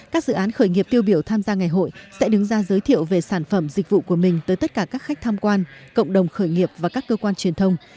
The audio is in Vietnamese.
các dự án khởi nghiệp tiêu biểu tham gia ngày hội sẽ đứng ra giới thiệu về sản phẩm dịch vụ của mình tới tất cả các khách tham quan cộng đồng khởi nghiệp và các cơ quan truyền thông